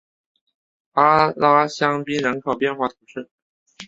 阿拉香槟人口变化图示